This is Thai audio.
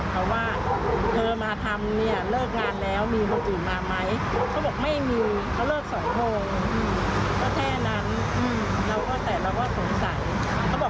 เราก็ถามว่าแล้วมีคนอื่นมาไหม